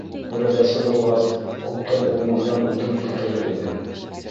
Күрәҙәсе булғас, күптән урмандан утын килтерер инең!